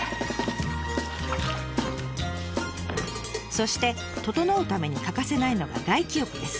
そしてととのうために欠かせないのが外気浴です。